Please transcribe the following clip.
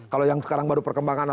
kalau yang sekarang baru perkembangan